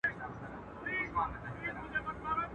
خدایه څه بېخونده شپې دي په زړه سوړ یم له ژوندونه.